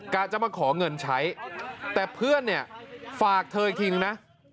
กล้าจะมาขอเงินใช้แต่เพื่อนฝากเธออีกทีหนึ่งนะ